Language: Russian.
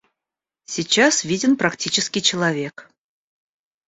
Сейчас виден практический человек.